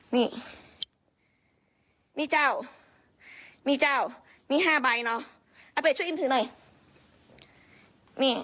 นี่นี่เจ้านี่เจ้านี่ห้าใบเนอะอาเป็ดช่วยอิ่มถือหน่อยนี่